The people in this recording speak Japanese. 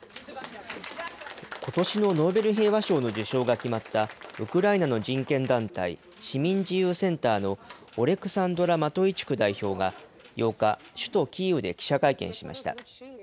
ことしのノーベル平和賞の受賞が決まったウクライナの人権団体、市民自由センターのオレクサンドラ・マトイチュク代表が、８日、首都キーウで記者会見しました。